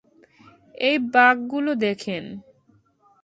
এই বাঁক গুলো দেখেন।